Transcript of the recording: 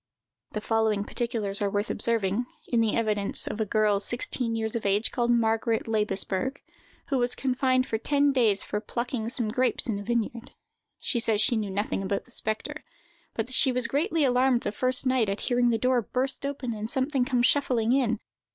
The following particulars are worth observing, in the evidence of a girl sixteen years of age, called Margaret Laibesberg, who was confined for ten days for plucking some grapes in a vineyard. She says she knew nothing about the spectre, but that she was greatly alarmed the first night at hearing the door burst open and something come shuffling in.